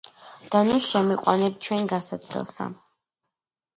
და ნუ შემიყვანებ ჩუენ განსაცდელსა